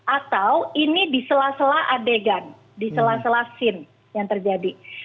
atau ini di sela sela adegan di sela sela scene yang terjadi